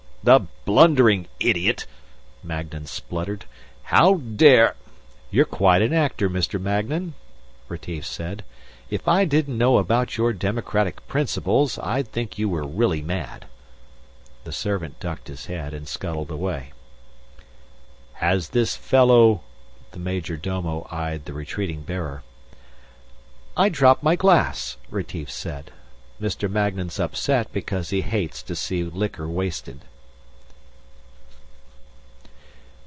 "The blundering idiot," Magnan spluttered. "How dare " "You're quite an actor, Mr. Magnan," Retief said. "If I didn't know about your democratic principles, I'd think you were really mad." The servant ducked his head and scuttled away. "Has this fellow...." The major domo eyed the retreating bearer. "I dropped my glass," Retief said. "Mr. Magnan's upset because he hates to see liquor wasted."